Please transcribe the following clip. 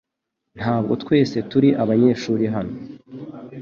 Ntabwo twese turi abanyeshuri hano .